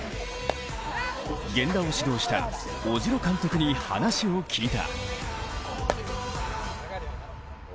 源田を指導した小代監督に話を聞いた。